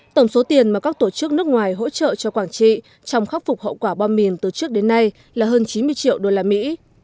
tổng số tiền mà các tổ chức nước ngoài hỗ trợ cho quảng trị trong khắc phục hậu quả bom mìn từ trước đến nay là hơn chín mươi triệu đô la mỹ